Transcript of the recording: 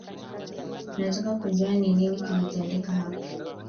Nataka kujua ni nini kilitendeka hapa